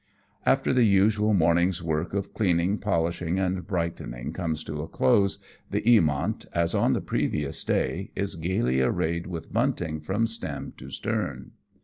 After the usual morning's work of cleaning, polish ing and brightening comes to a close, the Eamont, as on the previous day, is gaily arrayed with bunting from stem to stern.